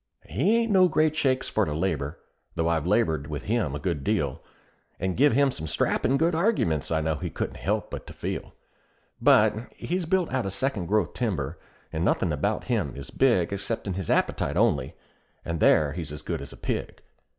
"He ain't no great shakes for to labor, though I've labored with him a good deal, And give him some strappin' good arguments I know he couldn't help but to feel; But he's built out of second growth timber, and nothin' about him is big Exceptin' his appetite only, and there he's as good as a pig.